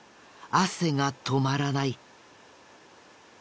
汗が止まらない。